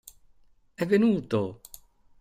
È venuto!